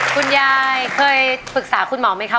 คุณยายเคยปรึกษาคุณหมอไหมคะ